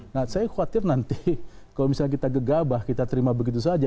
nah saya khawatir nanti kalau misalnya kita gegabah kita terima begitu saja